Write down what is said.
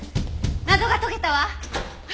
謎が解けたわ！